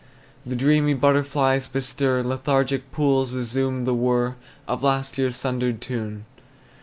The dreamy butterflies bestir, Lethargic pools resume the whir Of last year's sundered tune.